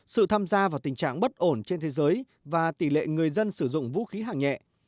sự tham gia vào tình trạng bất ổn trên thế giới và tỷ lệ người dân sử dụng vũ khí hạng nhẹ